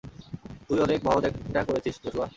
তুই অনেক মহৎ একটা করেছিস, জশুয়া!